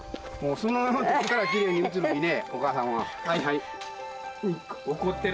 そのまま撮ったらきれいに写るのにね、お母さんは。